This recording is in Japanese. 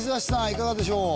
いかがでしょう？